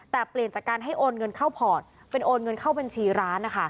แต่เปลี่ยนจากการให้โอนเงินเข้าพอร์ตเป็นโอนเงินเข้าบัญชีร้านนะคะ